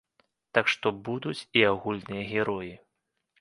Так што будуць і агульныя героі.